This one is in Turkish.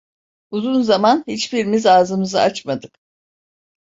Uzun zaman hiçbirimiz ağzımızı açmadık.